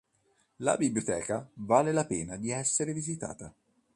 La biblioteca vale la pena di essere visitata.